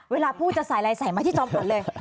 เวลาพูดจะใส่อะไรใส่มาที่จอมขวัญเลย